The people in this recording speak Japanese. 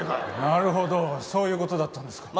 なるほどそういう事だったんですか。